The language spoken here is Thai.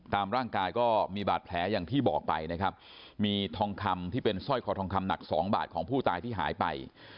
ตามร่างกายก็มีบาดแผลอย่างที่บอกไปนะครับมีทองคำที่เป็นสร้อยคอทองคำหนักสองบาทของผู้ตายที่หายไป